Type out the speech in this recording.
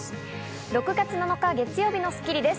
６月７日、月曜日の『スッキリ』です。